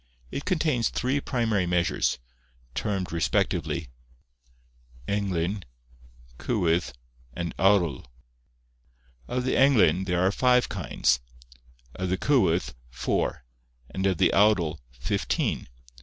It contains three primary measures, termed respectively, englyn, cywydd, and awdl. Of the englyn, there are five kinds; of the cywydd, four; and of the awdl, fifteen.